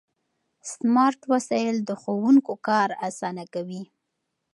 سمارټ وسایل د ښوونکو کار اسانه کوي.